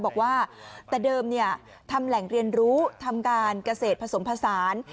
บอกว่าแต่เดิมทำแหล่งเรียนรู้ทำการเกษตรผสมผสาน